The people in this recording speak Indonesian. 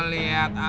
kalau lo liatnya